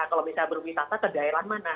kalau bisa berwisata ke daerah mana